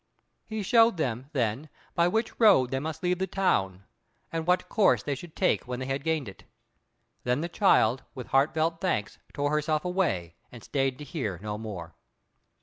He showed them, then, by which road they must leave the town, and what course they should take when they had gained it. Then the child, with heartfelt thanks, tore herself away, and stayed to hear no more.